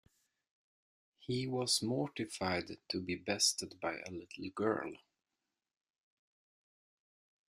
He was mortified to be bested by a little girl.